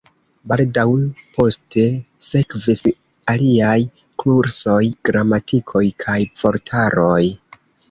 Baldaŭ poste sekvis aliaj kursoj, gramatikoj kaj vortaroj.